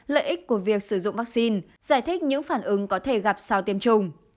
lợi ích của việc sử dụng vaccine giải thích những phản ứng có thể gặp sau tiêm chủng